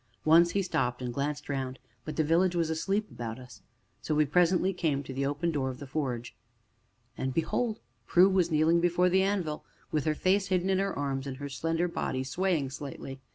Once he stopped and glanced round, but the village was asleep about us. And so we presently came to the open doorway of the forge. And behold! Prue was kneeling before the anvil with her face hidden in her arms, and her slender body swaying slightly.